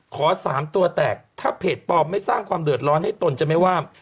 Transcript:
สามตัวแตกถ้าเพจปลอมไม่สร้างความเดือดร้อนให้ตนจะไม่ว่า